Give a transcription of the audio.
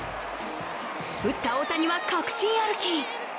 打った大谷は確信歩き。